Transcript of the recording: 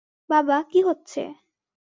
বাবা, কি হচ্ছে?